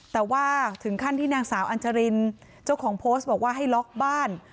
แต่ว่าถึงขั้นที่นางสาวอัญจรินเจ้าของโพสต์บอกว่าให้ล็อกบ้าน